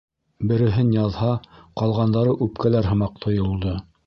Береһен яҙһа, ҡалғандары үпкәләр һымаҡ тойолдо.